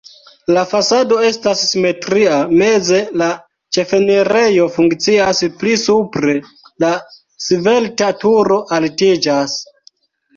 La fasado estas simetria, meze la ĉefenirejo funkcias, pli supre la svelta turo altiĝas.